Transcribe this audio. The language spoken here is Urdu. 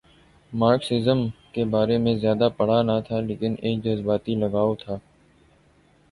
مارکسزم کے بارے میں زیادہ پڑھا نہ تھا لیکن ایک جذباتی لگاؤ تھا۔